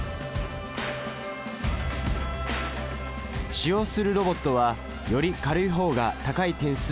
使用するロボットはより軽い方が高い点数を獲得します。